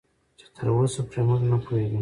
چې تراوسه پرې موږ نه پوهېدو